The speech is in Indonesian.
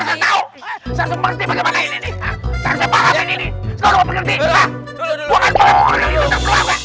lu kan pengen pahamin ini gak perlu apa